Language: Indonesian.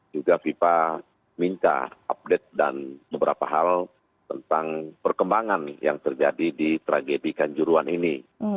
juga fifa minta update dan beberapa hal tentang perkembangan yang terjadi di tragedi kanjuruan ini